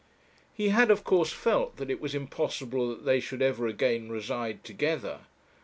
He had of course felt that it was impossible that they should ever again reside together.